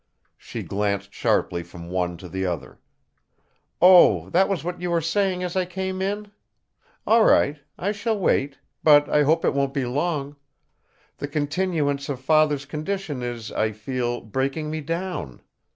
She glanced sharply from one to the other. "Oh, that was what you were saying as I came in? All right! I shall wait; but I hope it won't be long. The continuance of Father's condition is, I feel, breaking me down.